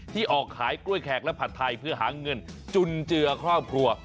ออกขายกล้วยแขกและผัดไทยเพื่อหาเงินจุนเจือครอบครัว